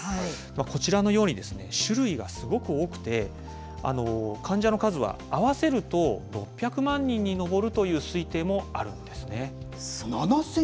こちらのように種類がすごく多くて、患者の数は、合わせると６００万人に上るという推定もあるんですね。